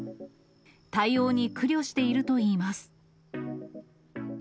対応に苦慮しているといいます。